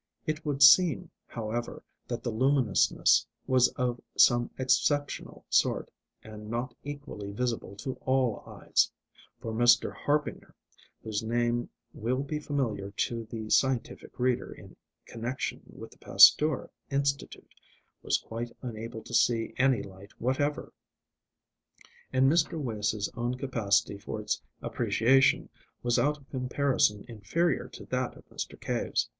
It would seem, however, that the luminousness was of some exceptional sort, and not equally visible to all eyes; for Mr. Harbinger whose name will be familiar to the scientific reader in connection with the Pasteur Institute was quite unable to see any light whatever. And Mr. Wace's own capacity for its appreciation was out of comparison inferior to that of Mr. Cave's.